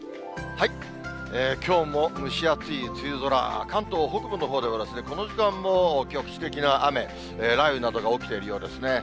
きょうも蒸し暑い梅雨空、関東北部のほうでは、この時間も局地的な雨、雷雨などが起きているようですね。